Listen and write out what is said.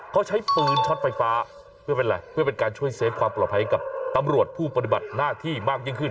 เขาใช้ปืนช็อตไฟฟ้าเพื่อเป็นอะไรเพื่อเป็นการช่วยเซฟความปลอดภัยให้กับตำรวจผู้ปฏิบัติหน้าที่มากยิ่งขึ้น